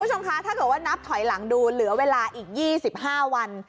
คุณผู้ชมคะถ้าเกิดว่านับถอยหลังดูเหลือเวลาอีก๒๕วัน